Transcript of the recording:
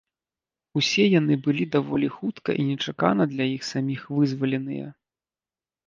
Усе яны былі даволі хутка і нечакана для іх саміх вызваленыя.